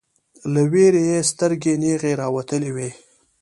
له ویرې یې سترګې نیغې راوتلې وې